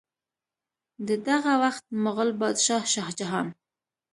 د دغه وخت مغل بادشاه شاه جهان